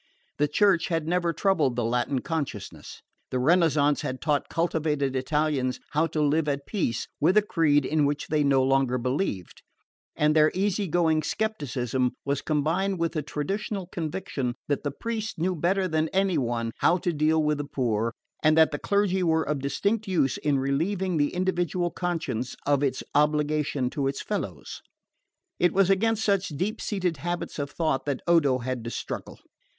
The Church had never troubled the Latin consciousness. The Renaissance had taught cultivated Italians how to live at peace with a creed in which they no longer believed; and their easy going scepticism was combined with a traditional conviction that the priest knew better than any one how to deal with the poor, and that the clergy were of distinct use in relieving the individual conscience of its obligation to its fellows. It was against such deep seated habits of thought that Odo had to struggle.